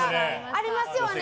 ありますよね。